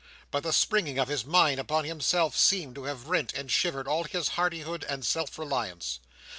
But the springing of his mine upon himself, seemed to have rent and shivered all his hardihood and self reliance.